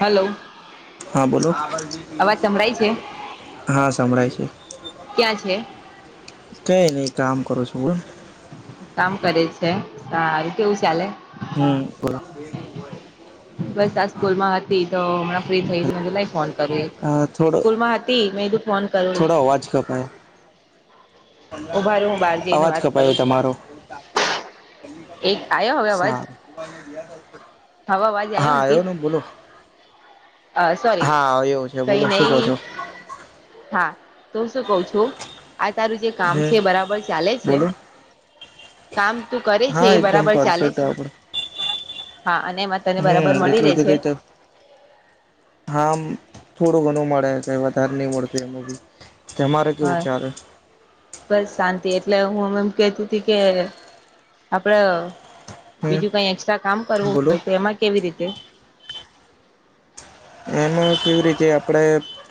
Hello. હા બોલો. અવાજ સંભળાય છે હા સંભળાય છે ક્યાં છે કઈ નહી કામ કરું છું બ કામ કરે છે સારું કેવું ચાલે. હમ બોલો. ભેગુ હોયતો. બસ આ સ્કૂલ માં હતી તો હમણાં. ફ્રી થઈ હતી મ લઈ ફોન કરું એ હા સ્કૂલ માં હતી મે એધું ફોન કરું ને. આવાજ કપાય. ઉભા રહો હું બહાર જઈને અવાજ વાત કરું કપાયો તમારો. એક આવ્યો હવે અવાજ સારુ હવે અવાજ આવ્યો હા અંકિત એયો નને બોલો. અ સોરી હા આવ્યો છે કઈ બોલો નહ શું કહો છો હા તો શું કવ છું. આ તારું જે કામ હમ છે બરાબર ચાલે છે બોલો કામ તું કર. હા એ એકદમ બરાબર ચાલે પરફેક્ટ છે આપડે હા અને એમાં તને બરાબર હમ મળી રહે છે. હામ થોડું ઘણું મળે કઈ વધારે નહી મળતું એમાં બી તમારે કેવું હા ચાલે. બસ શાંતિ એટલે હુંમ એમ કેતી ત કે. આપડે બીજું હમ કઈ એકક્સ્ટ્રા કામ કરવું બોલો હોય તો એમાં કેવી રીતે. એનું કેવી રીતે આપણે.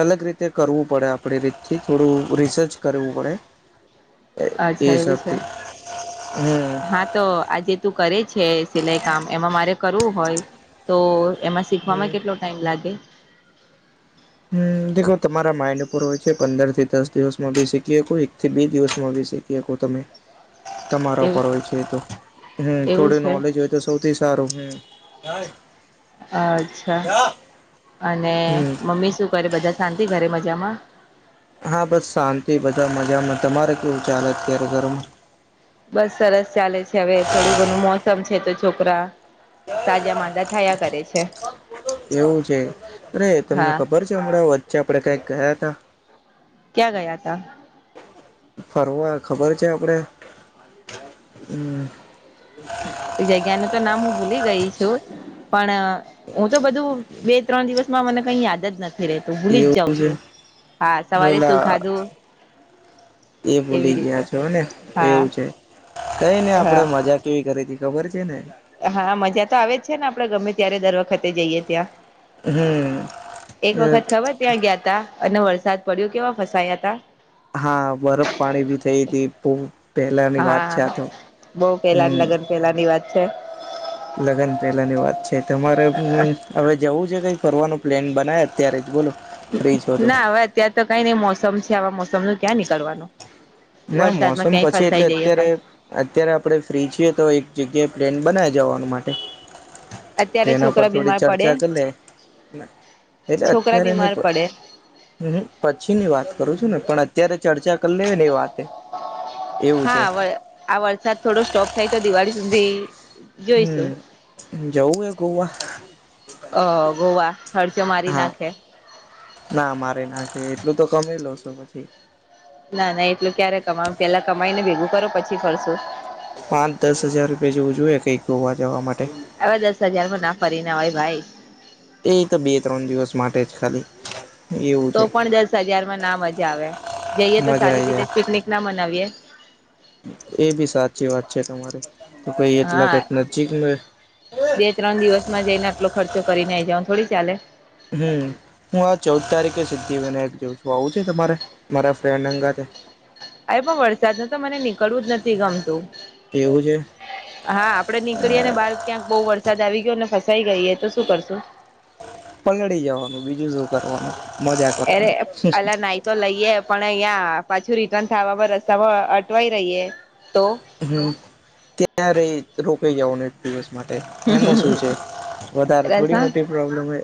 અલગ રીતે કરવું પડે આપણી રીતથી થોડું રિસર્ચ કરવું પડે. એ અચ્છા એવી છે હિસાબથી હમ હા. તો આજે તું કરે છે સિલાઈ કામ એમાં મારે કરવું હોય તો એમાં શીખવામાં હમ કેટલો ટાઈમ લાગે. હમ દો તમારા માઇન્ડ પૂર હોય છે પંદર થી દસ દિવસ માં ભી શીખીએ એક થી બે દિવસ માં ભી શીખ તમે તમારા એવું પર હોય છે તો હમ એવું થોડું છે નોલેજ હોય તો. સૌથી સારું હુ. અચ્છા અને હમ મમ્મી શું કરે બધા શાંતિ ઘરે મજામાં? હા બસ શાંતિ બધા મજામાં તમારે કેવું ચાલેત ક્યારે ઘરમાં? ખૂબ જ સરસ ચાલે છે હવે થોડું ઘણું મોસમ છે તો છોકરા તાજા માંદા થયા કરે છે. એવું છે અરે તમને હા ખબર છે હમણાં વચ્ચે આપડે કઈક ગયા તા? ક્યાં ગયા તા? ફરવા ખબર છે આપડે? એ જગ્યા નું તો નામ હું ભૂલી ગઈ છું પણ હું તો બધું બે ત્રણ દિવસમાં મને કઈ યાદ જ નથી. રે તું ભૂલી જ એવું જાઉં છે છું હા સવારે શું પેલા ખાધું એ એવી ભૂલી ગયા રીતે છો ને હા એવું છે કઈ ને આપડે હા મજા કેવી કરી હતી ખબર છે ને? હા મજા તો આવે જ છે ને આપડે ગમે ત્યારે દર વખતે જઈએ ત્યાં હમ એક વખત ખબર ત્યાં ગયા તા અને વરસાદ પડ્યો કેવા ફસાયા તા. હા બરફ પાણી ભી થઈ હતી બવ હા બવ પેલા હમ લગ્ન પેલા ની વાત છે. લગ્ન પેલા ની વાત છે, તમારે હું હવે જવું છે કઈ કરવાનું પ્લેન બનાવે અત્યારે જ બોલો. ફ્રી છો તો ના હવે અત્યારે તો કઈ નઈ મોસમ છે આવા મોસમ નું ક્યાં નીકળવાનું. ના વરસાદમાં મોસમ ક્યાંય પછી એટલે ફસાઈ જઈએ અત્યારે પાછ અત્યારે આપણે ફ્રી છીએ તો એક જગ્યાએ પ્લેન બનાવી જવાનું માટે તો અત્યારે એના પર છોકરા થોડી બીમાર પડે ચર્ચા કરી લે. એટલે છોકરા અત્યારે ની બીમાર પડે હ પછીની વાત કરું છું ને પણ અત્યારે ચર્ચા કરી લે હા વલ આ વરસાદ થોડો સ્ટોપ થાય તો દિવાળી સુધી જોઈશું હમ્મ, જવું એ ગોવા? અ ગોવા ખર્ચો મારી હા નાખે. ના મારી નાખે છે એટલું તો કમાઈ લો છો તમે. ના ના એટલું ક્યારે કમાવ પેલા કમાઈ ને ભેગું કરો પછી ફરશું. પાંચ દસ હજાર રૂપિયા જેવું જોઈએ કાઈક ગોવા જવા માટે. હવે દસ હજાર માં ના ફરી ને આવય ભાઈ. એ તો બે ત્રણ દિવસ માટે જ ખાલી. એવું તો છે પણ દસ હજારમાં ના મજા આવે જઈએ તો મજા સારી આઈ રીતે જ જાય પિકનિક ના મનાવીએ. એ બી સાચી વાત છે તમારે તો કઈ હા એટલાક નજીક બે ત્રણ દિવસમાં જઈને આટલો ખર્ચો કરીને આઈ જાવ નો થોડી ચાલે. હમ્મ, હું આ ચૌદ તારીખે સિદ્ધિ વિનાયક જઉં છું આવું છે તમારે મારા ફ્રેન્ડ સંગાથે? અરે પણ વરસાદ માં તો મને નીકળવું જ નથી ગમતું. એવું છે? હા આપડે નીકળીએ ને બહાર ક્યાંક બહુ વરસાદ આવી ગયો ને ફસાઈ ગઈએ તો શું કરશું? પલડી જવાનું બીજું શું કરવાનું? મજા એરે કરવાની એપ અલા નાઈ તો લઈએ પણ અયાં પાછું રિટર્ન થાવા પર રસ્તા પર અટવાઈ રહીએ તો? હમ્મ, ત્યાં રઇએ રોકાઈ જઓ ને એક દિવસ માટે એમાં શું છે વધારે થોડી રસ્તા મોટી પ્રોબ્લેમ હે.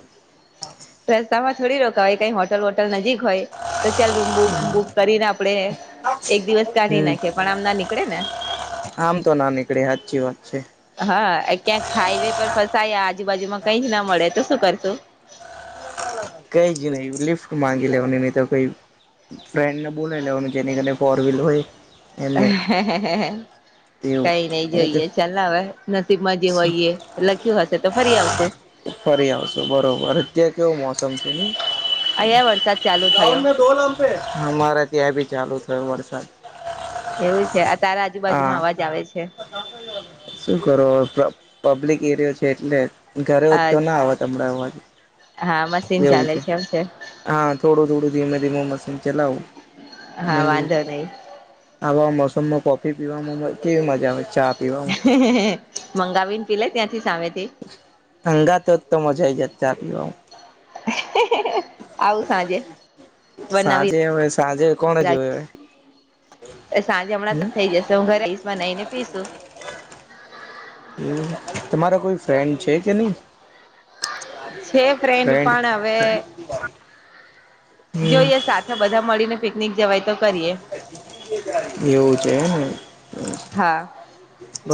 રસ્તામાં થોડી રોકાવાય કઈ હોટ હોટલ વોટલ નજીક હોય તો ચાલ રૂમ બૂમ બુક કરીને આપડે એક દિવસ કાઢી હમ નાખે પણ આમ ના નીકળે ને. આમ તો ના નીકળે હાચી વાત છે. હા ક્યાંક હાઈવે પર ફસાયા આજુબાજુમાં કઈ જ ના મળે તો શું કરશું? કઈ જ નહી લિફ્ટ માંગી લેવાની નહીં તો કઈ ફ્રેન્ડને બોલાઇ લેવાનું જેની કને ફોરવિલ હોય. એમને હે હે હે એવું કઈ નઈ હું જોઈએ ચલ ને હવે. નસીબમાં જે હોય એ લખ્યું હશે તો ફરી આવશુ. ફરી આવશું બરોબર. અત્યારે કેવો મો સમ છે નહીં અહીંયા વરસાદ ચાલુ થયો [unintelligible] અમારે ત્યાં એ ભી ચાલુ થયો વરસાદ. એવું છે? આ તારા હા આજુબાજુમાં અવાજ આવે છે. શું કરો પબ્લિક એરિયો છે એટલે. ઘરે હોત તો અચ્છા ના આવત હમણાં અવાજ. હા મશીન ચાલે છે. એવું છે? હા થોડું થોડું ધીમે ધીમે મશીન ચલાવુ. હા [unintelligible] વાંધો નહી આવા મોસમમાં કોફી પીવામાં કેવી મજા આવે ચા પીવામાં હે હે મંગાવીને પીલે ત્યાંથી સામેથી. હંગાથ હોત તો મજા આઈ જત ચા પીવામાં. [inaudible] આવું સાંજે બનાવી સાંજે હવે સાંજે કોણ રાખ. જોવે સાંજે હમણાં હમ શું થઈ જશે હું ઘરે આઈશ બનાઇને પીશું. અમ તમારા કોઈ ફ્રેન્ડ છે કે નહી? છે [inaudible] ફ્રેન્ડ? પણ હવે હમ જોઈએ સાથે બધા મળીને પિકનિક જવાય તો કરીએ. એવું છે એમ ને? હા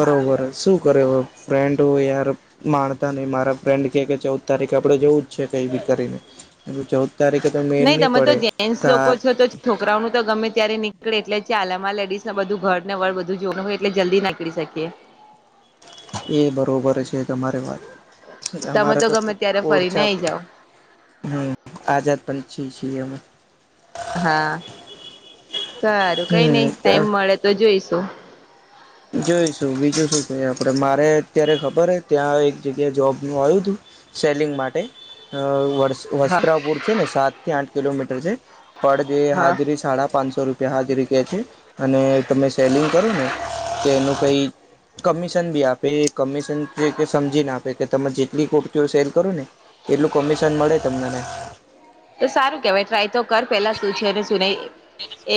બરોબર. શું કરે ફ્રેન્ડો યાર માણતા નહીં મારા ફ્રેન્ડ કે કે ચૌદ તારીખે આપણે જવું જ છે કઈ બી કરીને. મેં કીધું ચૌદ તારીખે તો મેળ નહી તમે તો પડે જેન્ટસ કા લોકો છો તો છોકરાઓનું તો ગમે ત્યારે નીકળે એટલે ચાલે. અમારે લેડીસને બધું ઘર ને વર બધું જોવાનું હોય એટલે જલ્દી ના નીકળી શકીએ. એ બરોબર છે તમારી વાત. તમે અમારે તો ગમે ખૂબ ત્યારે ફરીને ઓરછા આઈ જાવ હમ આઝાદ પંછી છી અમે. હા સારું કઈ નઈ ટાઈમ હમ મળે તો જોઈશું. જોઈશું બીજું શું કઈ આપડે. મારે અત્યારે ખબર હે ત્યાં એક જગ્યાએ જોબનું આવ્યું તું. સેલિંગ માટે અ વર હા વસ્ત્રાપુર છે ને સાત થી આઠ કિલોમીટર છે. પળ જે હા હાજરી સાડા પાંચસો રૂપ પીયા હાજરી કે છે અને તમે સેલિંગ કરો ને તો એનું કંઈ કમિશન બી આપે એ કમિશન છે કે સમજીને આપે કે તમે જેટલી કુર્તીઓ સેલ કરો ને એટલું કમિશન મળે તમને ને. એ સારું કેવાય ટ્રાય તો કર પેલા શું છે ને શું નહી.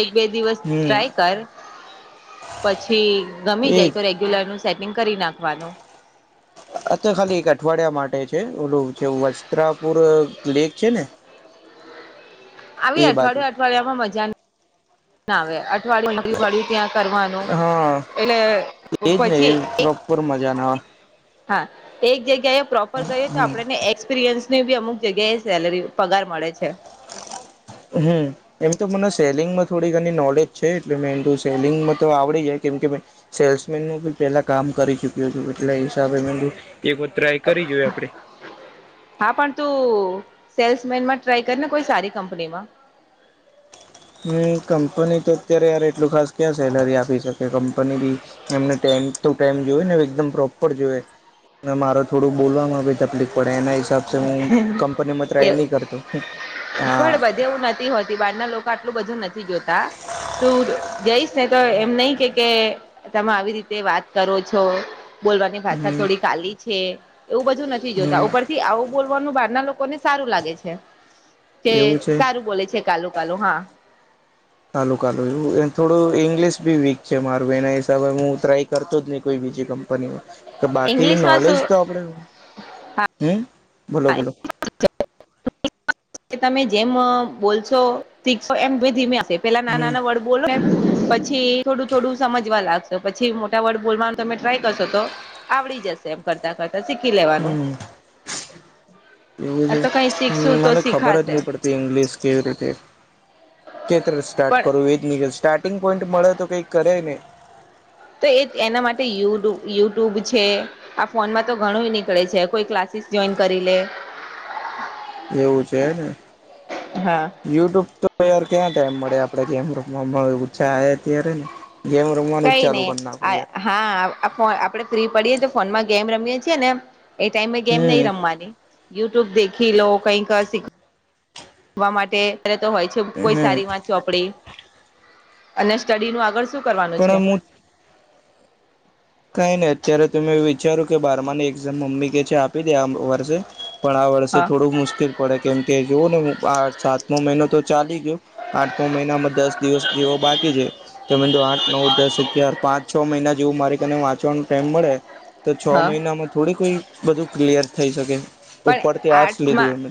એક બે દિવસ હમ ટ્રાય કર. પછી ગમી એ જાય તો રેગ્યુલરનું સેટિંગ કરી નાખવાનું. અ તો ખાલી એક અઠવાડિયા માટે છે. ઓલું જેવું વસ્ત્રાપુર લેક છે ને? [inaudible] આવી એ બાજુ અઠવાડિયા અઠવાડિયામાં મજા ના આવે અઠવાડિયું દિ અઠવાળિયું ત્યાં કરવાનું. હા એટલે પછી એક કોર મજા ના હા એક જગ્યાએ પ્રોપર કરીએ તો આપણને એક્સપિરિયન્સ ને બી અમુક જગ્યાએ સેલરી, પગાર મળે છે. હમ એમ તો મને સેલિંગમાં થોડી ઘણી નોલેજ છે. એટલે મે એમ તો સેલિંગમાં તો આવડી જાય કેમ કે મેં સેલ્સમેનનું બી પેલા કામ કરી ચુક્યો છું. એટલે એ હિસાબે મેં કીધું એકવાર ટ્રાય કરી જોઈ આપણે. હા પણ તું સેલ્સમેનમાં ટ્રાય કરને કોઈ સારી કંપનીમાં હમ કંપની તો અત્યારે યાર એટલું ખાસ ક્યા સેલરી આપી શકે કંપની બી એમને ટાઈમ તો ટાઈમ જોવે ને એકદમ પ્રોપર જોઈએ અને મારો થોડું બોલવામાં ભી તકલીફ પડે એના હિસાબે એ પણ હા હે બધે એવું નથી હોતી બહાર ના લોકો આટલું બધું નથી જોતા તું જઈશ ને તો એમ નહી કે કે તમે આવી રીતે વાત કરો છો બોલવાની ભાષા હમ્મ થોડી કાલી છે એવું બધું નથી જોતા હમ્મ ઉપ ઉપરથી આવું બોલવાનું બહાર ના લોકોને સારું લાગે છે કે એવું છે સારું બોલે છે કાલું કાલું હા ચાલું કાલું એમ એવું થોડું ઇંગ્લિશ બી વીક છે મારું એના હિસાબે હું ટ્રાય કરતો જ નહી કોઈ બીજી કંપનીમાં કે બાકી ઈંગ્લિશમાં નોલેજ શું તો આપણે હા હમ ભોલો ભોલો કે તમે જેમ બોલશો શીખશો એમ ધીમે આવ પેલા નાના હમ્મ નાના વર્ડ બો પછી થોડું થોડું સમજવા લાગશે પછી મોટા વર્ડ બોલવાનું તમે ટ્રાય કરશો તો આવડી જશે કરતા કરતા શીખી લેવાનું હમ્મ એવું આ તો કઈ છે શીખશું તો મને ખબર જ શીખાશે નહી પડતી ઇંગ્લિશ કેવી રીતે કેતે સ્ટાર્ટ પણ કરું તો એ જ નીકળ સ્ટાર્ટિંગ પોઈન્ટ મળે તો કઈ કરે ને તો એ એના માટે યુુ યુટ્યુબ છે આ ફોનમાં તો ઘણું નીકળે છે કોઈ ક્લાસીસ જોઈન કરી લે એવું છે હેને હા યુટ્યુબ તો યાર ક્યાં ટાઈમ મળે આપણે ગેમ રૂમમાં મળછા આ અત્યારે ને ગેમ રમવા કઈ નહી હા આપણેે ફ્રી પડીએ તો ફોનમાં ગેમ રમીએ છીએ ને એ ટાઈમે ગેમ નહી હમ રમવાની યુટ્યુબ દેખી લો કઈક શીખ વા માટે તો હોય છે કોઈ હમ સારી વાત ચોપડી અને સ્ટડી નું આગળ શું કરવાનું છે પણ હું કઈ નહી અત્યારે તો મે વિચાર્યું કે બારમાની એક્ઝામ મમ્મી કે છે આપી દે આ વર્ષે પણ આ વર્ષે હા થોડું મુશ્કેલ પડે કેમ કે જોવું ને આ સાતમો મહિનો તો ચાલી ગયો આઠ મહિનામાં દસ દિવસ જેવો બાકી છે તમે તો આઠ નવ દસ અગિયાર પાંચ છ મહિના જેવું મારે તને વાંચવાનો ટાઈમ મળે તો છ હા મહિનામાં થોડી કોઈ બધું ક્લિયર થઈ શકે પણ ઉપરથી આર્ટસ લીધું આર્ટસમાં એમ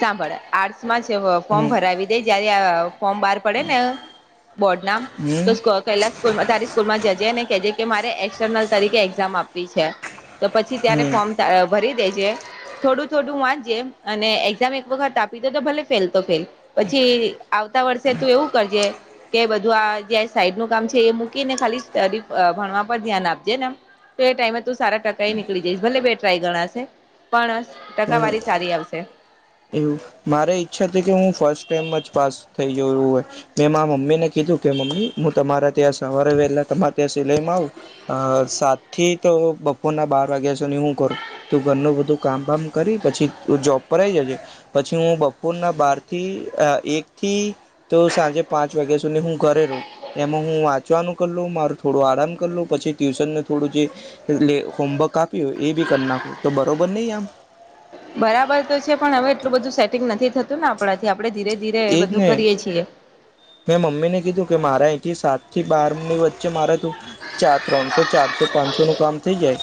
સાંભળ આર્ટસ માં જ ફોર્મ હમ ભરાવી જયારે ફોર્મ બહાર પડે ને બોર્ડ ના હમ તો સ્કો પેલા સ્કૂલ માં તારી સ્કૂલ માં જજે કેજે કે મારે એક્સટર્નલ તરીકે એક્ઝામ આપવી છે તો પછી ત્યારે હમ ફોર્મ ભરી દેજે થોડું થોડું વાંચે અને એક્ઝામ એક વખત આપી દે તો ભલે ફેલ તો ફેલ પછી આવતા વર્ષે તું એવું કરજે કે બધું આ જે સાઈડ નું કામ છે એ મૂકી ને ખાલી સ ભણવા પર ધ્યાન આપજે નેમ તે ટાઈમે તું સારા ટકાઈ નીકળી જઈશ ભલે બે ટ્રાય ગણાશે પણ પણ પણ ટકાવારી સારી આવશે એવું મારે ઈચ્છા હતી કે હું ફર્સ્ટ ટાઈમા જ પાસ થઈ જવુ હોય મેં મારા મમ્મી ને કીધું કે મમ્મી હું તમારા ત્યાં સવારે વહેલા તમારા ત્યાં સિલાઈમાં આવું અ સાત થી તો બપોરના બાર વાગ્યા સુધી હું કરું તું ઘરનું બધું કામબામ કરી પછી જોબ પર ઈ જજે પછી હું બપોરના બારથી એક થી તો સાંજે પાંચ વાગ્યા સુધી હું ઘરે એમાં હું વાંચવાનું કર લુ મારું થોડું આરામ કરીલુ પછી ટ્યુશનને થોડું જે એટલે હોમવર્ક આપ્યું હોય એ બી કરી નાખો તો બરોબર નહી આમ બરાબર તો છે પણ હવે એટલું બધું સેટિંગ નથી થતું ને આપણાથી આપણે ધીરે ધીરે એ એજ બધું ને કરીએ છીએ મેં મમ્મી ને કીધું કે મારા અહીંથી સાત થી બારની વચ્ચે મારે તું ચાર ત્રણસો ચારસો પાંચસો નું કામ થઈ જાય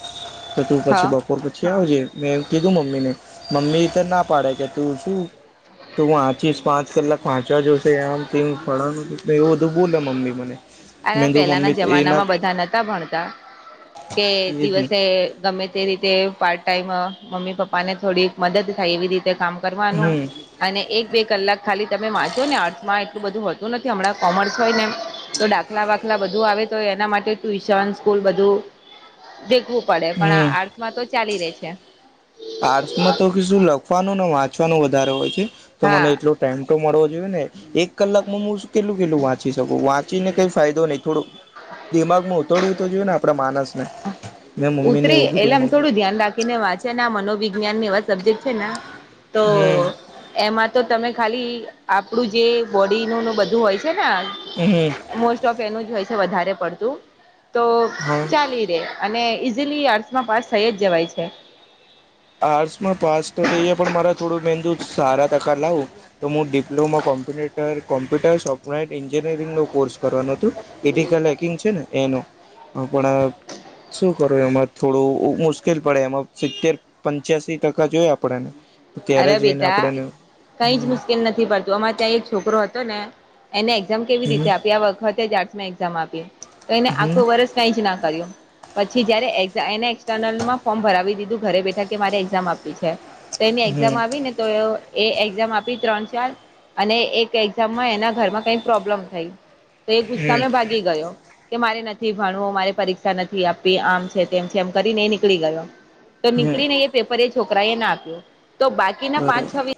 તો તું પછી હા બપોર પછી છે આવજ મેં કીધું મમ્મી ને મમ્મી ને ના પાડે કે તું શું? તો આચીસ પાસ કલાક વાંચવા જોશે આમ તેમ ફળા એવું બધું બોલે મમ્મી મને. અલા મેં કીધું પેલાના મમ્મી એના જમાનામાં બધા નહતા ભણતા કે એ જ ને દિવસે ગમે તે રીતે પાર્ટ ટાઈમ મમ્મી પપ્પા ને થોડી મદદ થાય એવી રીતે કામ કરવાનું. હમ અને એક બે કલાક ખાલી તમે વાંચો ને આર્ટ્સમાં એટલું બધું હોતું નથી હમણાં કોમર્સ હોય ને તો ડા બધુ આવે તો એના માટે ટ્યુશન સ્કૂલ બધું દેખવું પડે પણ આ હમ આ સ માં તો ચાલી રહી છે. આર્ટસમાં તો કે શું લખવાનું ને વાંચવાનું વધારે હોય છે તો મને હા એટલુ ટાઈમ તો મળવો જોઈએ ને એક કલાકમાં હુ કેટલું કેટલું વાંચી શકું વાંચીને કઈ ફાયદો નહી. થોડું દિમાગમાં ઉતડવું તો જોયુ ને આપડા માનસ ને મેં મમ્મી ને એવું કીધું. ને વાંચે ને મનોવિજ્ઞાન એવા સબ્જેક્ટ છે ને તો હમ એમાં તો તમે ખાલી આપણું જે બોડીનું ને બધું હોય છે ને આ હમ્મ હમ્મ. મોસ્ટ ઓફ એનું જ હોય છે વધારે પડતું તો હમ્મ. ચાલી અને ઈઝીલી આર્ટસમાં પાસ થઈ જ જવાય છે. આર્ટ્સમાં પાસ તો થઈ જાય પણ મારા થોડું મેંદુ સારા ટકા લાવું. તો હું diploma computer computer software engineering નો કોર્સ કરવાનું હતું. ઇતિકલ હેકિંગ છે ને એનું પણ શું કરો એમાં થોડું મુશ્કેલ પડે એમાં સિત્તેર પંચ્યાસી ટકા જોઈ આપણેેને. અરે બેટા કઈ જ મુશ્કેલ નથી પડતી તુ આમાં ત્યાં એક છોકરો હતો ને એને એક્ઝામ કેવી હમ રીતે આપી આ વખતેમાં એઝામ આપી. તો એને આખો હમ વર્ષ કંય જ ના કર્યું. પછી જયારે એને એક્સટર્નલમાં ફોર્મ ભરાવી દીધું ઘરે બેઠા કે મારે એક્ઝામ આપવી છે. તો એની એક્ઝામ હમ આવી ને તો એ એક્ઝામ આપી ત્રણ-ચાર અને એક એક્ઝામમાં એના ઘરમાં કઈ પ્રોબ્લેમ થઈ તો એ હમ ગુસ્સામે ભાગી ગયો કે મારે નથી ભણવું મારે પરીક્ષા નથી આપવી આમ છે તેમ છે એમ કરીને નીકળી ગયો. તો હમ નીકળીને એ પેપર એ છોકરા એ ના આપ્યો તો બાકીના પાંચ બરોબર છ વિ